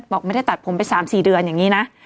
บอกไม่ได้ตัดผมไป๓๔เดือนอย่างนี้นะ